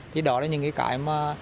thì đó là những cái cái mà